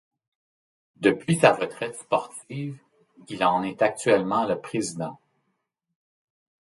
Depuis sa retraite sportive, il en est actuellement le président.